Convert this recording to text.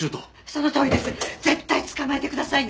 そのとおりです。絶対捕まえてくださいね！